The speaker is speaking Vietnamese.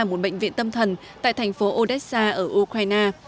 ở một bệnh viện tâm thần tại thành phố odessa ở ukraine